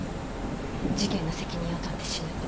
「事件の責任を取って死ぬ」と。